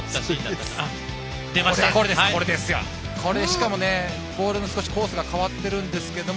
しかも、ボールのコースが変わってるんですけど